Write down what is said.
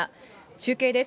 中継です。